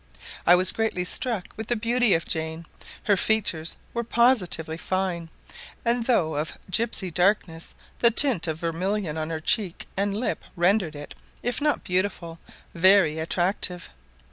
I was greatly struck with the beauty of Jane; her features were positively fine, and though of gipsey darkness the tint of vermilion on her cheek and lip rendered it, if not beautiful, very attractive.